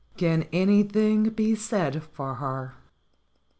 Can anything be said for her?